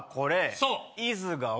そう